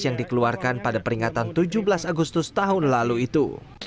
yang dikeluarkan pada peringatan tujuh belas agustus tahun lalu itu